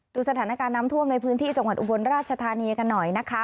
ดูสถานการณ์น้ำท่วมในพื้นที่จังหวัดอุบลราชธานีกันหน่อยนะคะ